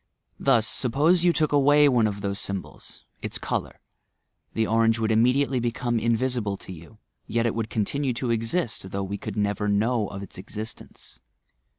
Thus, suppose you took away one of those symbols,— its colour, — the orange would immediately become in visible to you ; yet it would continue to eiist, though we could never know of its existence.